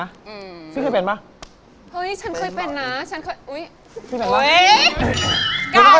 ชิคกี้พายเป็นปะเป็นหรอเห้ยฉันเคยเป็นนะฉันเคยอุ๊ย